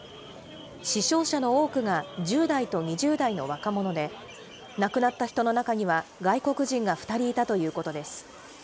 死傷者の多くが１０代と２０代の若者で、亡くなった人の中には外国人が２人いたということです。